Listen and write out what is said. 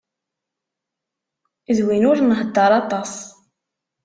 D win ur nhedder aṭas.